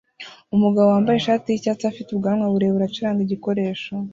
Umugabo wambaye ishati yicyatsi afite ubwanwa burebure acuranga igikoresho